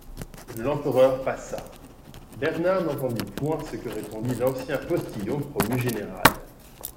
L'empereur passa … Bernard n'entendit point ce que répondit l'ancien postillon promu général.